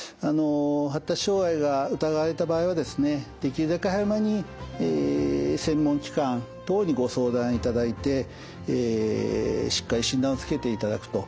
発達障害が疑われた場合はですねできるだけ早めに専門機関等にご相談いただいてしっかり診断をつけていただくと。